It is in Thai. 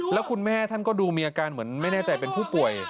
แล้วคุณแม่ท่านก็ดูมีอาการเหมือนไม่แน่ใจเป็นผู้ป่วย